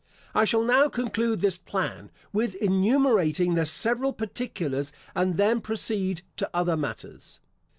I shall now conclude this plan with enumerating the several particulars, and then proceed to other matters.